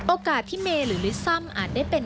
โอกาสที่เมย์หรือลิซัมอาจได้เป็น